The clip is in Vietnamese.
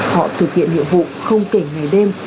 họ thực hiện nhiệm vụ không kể ngày đêm